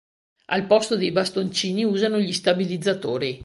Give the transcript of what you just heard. Al posto dei bastoncini usano gli stabilizzatori.